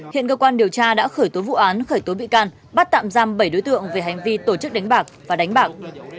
hiện cơ quan điều tra đã khởi tố vụ án khởi tố bị can bắt tạm giam bảy đối tượng về hành vi tổ chức đánh bạc và đánh bạc